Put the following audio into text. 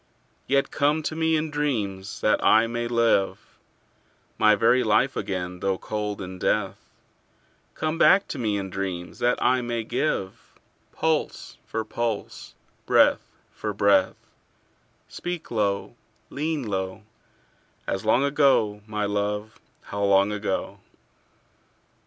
Yet come to me in dreams, that I may live My very life again though cold in death: Come back to me in dreams, that I may give Pulse for pulse, breath for breath: Speak low, lean low, As long ago, my love, how long ago!